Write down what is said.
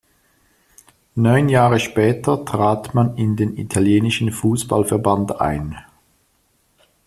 Neun Jahre später trat man in den Italienischen Fußballverband ein.